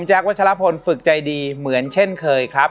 วัชลพลฝึกใจดีเหมือนเช่นเคยครับ